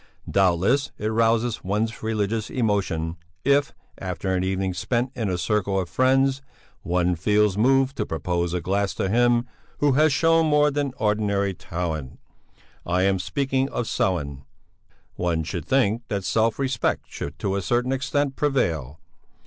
Doubtless, it arouses all one's religious emotion if, after an evening spent in a circle of friends, one feels moved to propose a glass to him who has shown more than ordinary talent I am speaking of Sellén one should think that self respect should to a certain extent prevail.